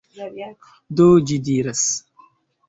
Do, ĝi diras: